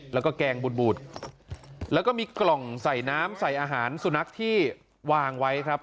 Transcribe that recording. แล้วก็แกงบูดบูดแล้วก็มีกล่องใส่น้ำใส่อาหารสุนัขที่วางไว้ครับ